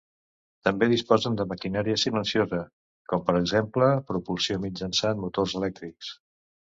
També disposen de maquinària silenciosa, com per exemple propulsió mitjançant motors elèctrics.